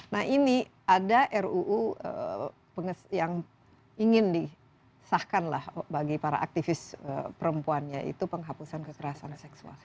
nah ini ada ruu yang ingin disahkan lah bagi para aktivis perempuan yaitu penghapusan kekerasan seksual